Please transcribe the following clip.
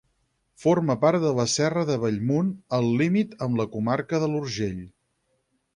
Forma part de la Serra de Bellmunt, al límit amb la comarca de l'Urgell.